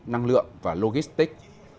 năng lượng và logistic